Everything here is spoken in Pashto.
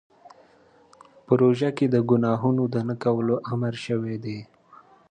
په روژه کې د ګناهونو د نه کولو امر شوی دی.